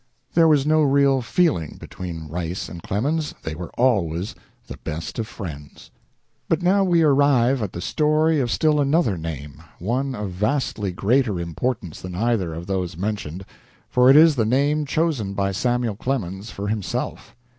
There was no real feeling between Rice and Clemens. They were always the best of friends. But now we arrive at the story of still another name, one of vastly greater importance than either of those mentioned, for it is the name chosen by Samuel Clemens for himself.